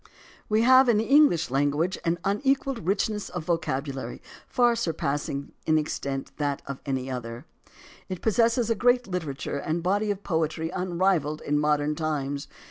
We 238 AS TO ANTHOLOGIES have in the EngKsh language an unequalled richness of vocabulary far surpassing in extent that of any other, It possesses a great literature and a body of poetiy unrivalled in modern times.